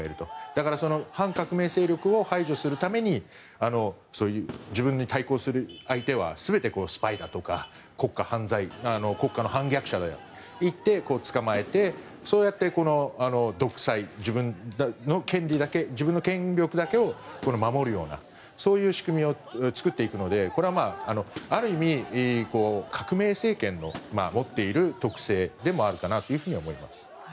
だから、反革命勢力を排除するためにそういう自分に対抗する相手は全てスパイだとか国家の反逆者だといって捕まえてそうやって独裁自分の権力だけを守るようなそういう仕組みを作っていくのでこれは、ある意味革命政権の持っている特性でもあるかなと思います。